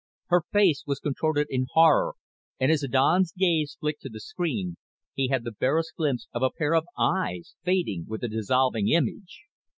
Her face was contorted in horror, and as Don's gaze flicked to the screen he had the barest glimpse of a pair of eyes fading with a dissolving image.